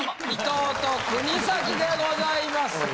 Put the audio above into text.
伊藤と国崎でございます。